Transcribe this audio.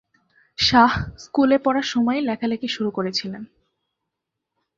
শাহ স্কুলে পড়ার সময়ই লেখালেখি শুরু করেছিলেন।